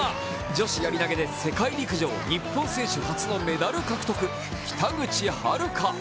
女子やり投げで世界陸上日本選手初のメダル獲得北口榛花。